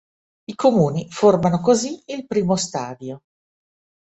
I comuni formano così il primo stadio.